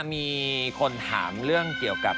มีคนถามเรื่องเกี่ยวกับ